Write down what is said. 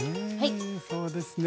そうですね。